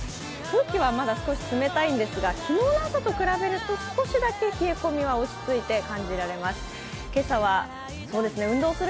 空気はまだ少し冷たいんですが昨日の朝と比べると少しだけ冷え込みは落ち着いて感じられます。